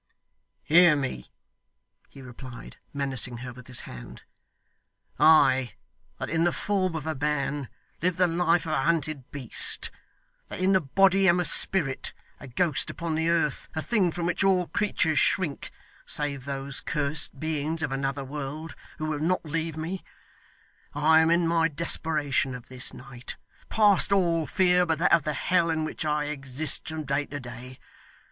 'Hear me,' he replied, menacing her with his hand. 'I, that in the form of a man live the life of a hunted beast; that in the body am a spirit, a ghost upon the earth, a thing from which all creatures shrink, save those curst beings of another world, who will not leave me; I am, in my desperation of this night, past all fear but that of the hell in which I exist from day to day.